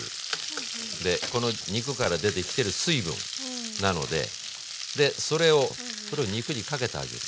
この肉から出てきてる水分なのででそれをこれを肉にかけてあげる。